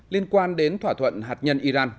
liên quan đến thỏa thuận hạt nhân iran